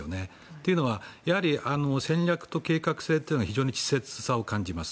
というのは、やはり戦略と計画性というのは非常に稚拙さを感じます。